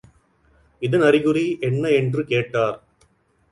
இதன் அறிகுறி என்ன என்று கேட்டார்.